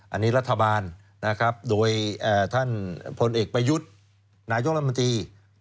อันนี้รัฐบาลนะครับโดยพรแหน่งประยุทธ์นายกลมตี